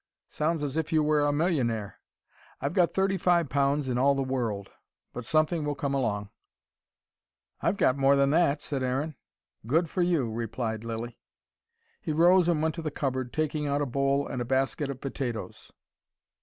"Sounds as if you were a millionaire." "I've got thirty five pounds in all the world. But something will come along." "I've got more than that," said Aaron. "Good for you," replied Lilly. He rose and went to the cupboard, taking out a bowl and a basket of potatoes.